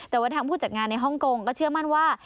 แต่ว่าทางผู้จัดงานในฮ่องกงก็เชื่อมั่นว่า